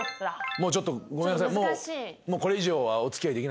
ちょっとごめんなさい。